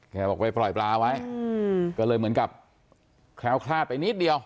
บอกไปปล่อยปลาไว้ก็เลยเหมือนกับแคล้วคลาดไปนิดเดียว